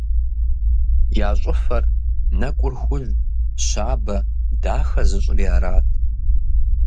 Я щӏыфэр, нэкӏур хужь, щабэ, дахэ зыщӏри арат.